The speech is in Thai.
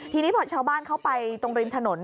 ทีนี้พอชาวบ้านเข้าไปตรงริมถนน